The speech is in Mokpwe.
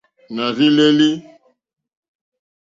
Nà rzí lélí.